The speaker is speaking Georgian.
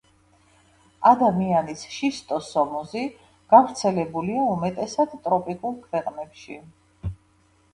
ადამიანის შისტოსომოზი გავრცელებულია უმეტესად ტროპიკულ ქვეყნებში.